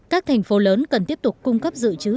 các thành phố lớn cần tiếp tục cung cấp dự trữ